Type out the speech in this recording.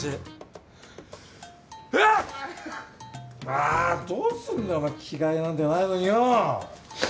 あぁどうすんだよお前着替えなんてないのによ。